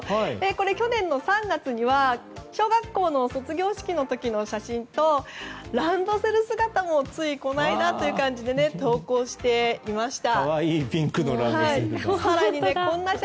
去年の３月には小学校の卒業式の時の写真とランドセル姿もついこの間ということで投稿していました。